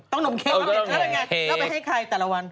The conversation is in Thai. หนุ่มเค้กแล้วเป็นไงแล้วไปให้ใครแต่ละวัน